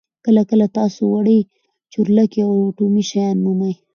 کله کله تاسو وړې چورلکې او اټومي شیان مومئ